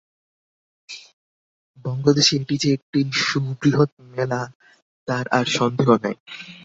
বঙ্গদেশে এটি যে একটি সুবৃহৎ মেলা, তার আর সন্দেহ নাই।